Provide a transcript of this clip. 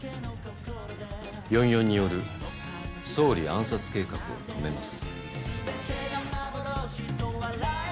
４４による総理暗殺計画を止めます。